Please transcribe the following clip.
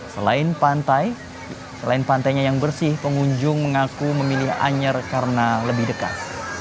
selain pantai selain pantainya yang bersih pengunjung mengaku memilih anyer karena lebih dekat